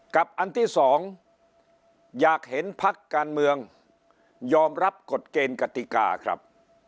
อันที่สองอยากเห็นพักการเมืองยอมรับกฎเกณฑ์กติกาครับ